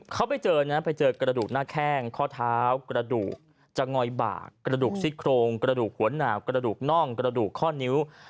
เขาไปเจอนะไปเจอกระดูกหน้าแข้งข้อเท้ากระดูกจะงอยบากกระดูกซิกโครงกระดูกหัวหนาวกระดูกน่องกระดูกข้อนิ้ว